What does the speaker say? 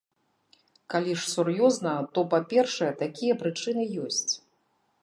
Калі ж сур'ёзна, то, па-першае, такія прычыны ёсць.